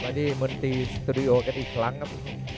ที่มนตรีสตูดิโอกันอีกครั้งครับ